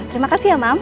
terima kasih ya mam